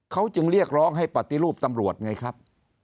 เขาจึงเรียกร้องให้ปฏิรูปตำรวจไงครับ